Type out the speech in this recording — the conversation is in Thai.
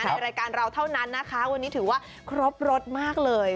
ในรายการเราเท่านั้นนะคะวันนี้ถือว่าครบรสมากเลย